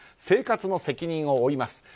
生活の責任を負います